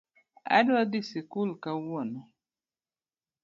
Adwa dhii sikul kawuono